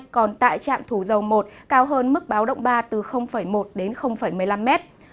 còn tại trạm thủ dầu một cao hơn mức báo động ba từ một đến một mươi năm mét